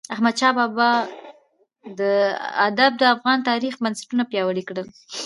احمدشاه بااب د افغان تاریخ بنسټونه پیاوړي کړل.